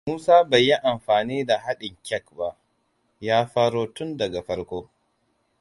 Musa bai yi amfani da haɗin kek ba. Ya faro tun daga farko.